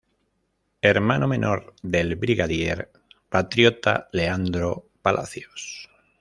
Hermano menor del brigadier patriota Leandro Palacios.